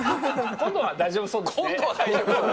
今度は大丈夫そう。